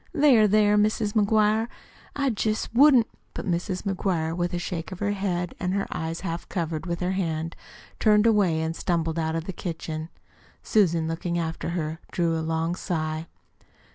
"There, there, Mis' McGuire, I jest wouldn't " But Mrs. McGuire, with a shake of her head, and her eyes half covered with her hand, turned away and stumbled out of the kitchen. Susan, looking after her, drew a long sigh.